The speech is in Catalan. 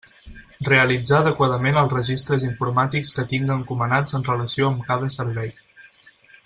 Realitzar adequadament els registres informàtics que tinga encomanats en relació amb cada servei.